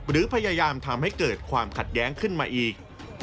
หรือพยายามทำให้เกิดความขัดแย้งขึ้นมาอีก